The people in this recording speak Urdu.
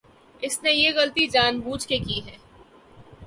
اس نے یہ غلطی جان بوجھ کے کی ہے۔